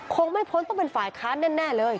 คงไม่พ้นต้องเป็นฝ่ายค้านแน่เลย